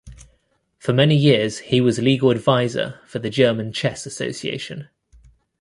For many years he was legal advisor for the German Chess Association.